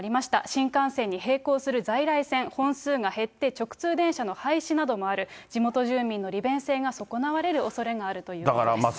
新幹線に並行する在来線、本数が減って、直通電車の廃止などもある、地元住民の利便性が損なわれるおそれがあるということです。